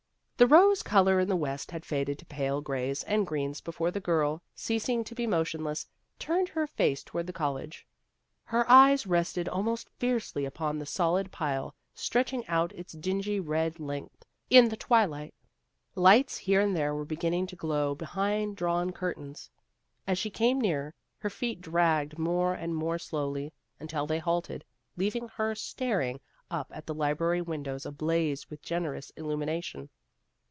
The rose color in the west had faded to pale grays and greens before the girl, ceasing to be motionless, turned her face toward the college. Her eyes rested al most fiercely upon the solid pile stretch ing out its dingy red length in the twilight. Lights here and there were beginning to glow behind drawn curtains. As she came nearer, her feet dragged more and more slowly, until they halted, leaving her star ing up at the library windows ablaze with generous illumination.